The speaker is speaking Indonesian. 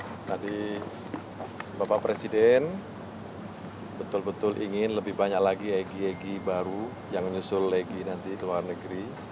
tadi bapak presiden betul betul ingin lebih banyak lagi egy egy baru yang nyusul lagi nanti ke luar negeri